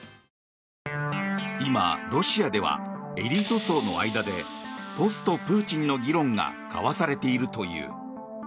今、ロシアではエリート層の間でポストプーチンの議論が交わされているという。